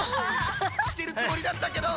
してるつもりだったけど！